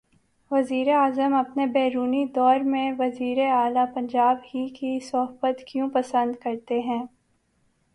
وزیراعظم اپنے بیرونی دورے میں وزیر اعلی پنجاب ہی کی صحبت کیوں پسند کرتے ہیں؟